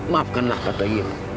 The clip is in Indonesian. maafkanlah pak ta'id